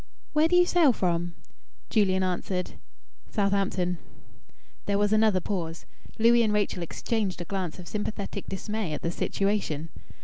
"Where do you sail from?" Julian answered "Southampton." There was another pause. Louis and Rachel exchanged a glance of sympathetic dismay at the situation.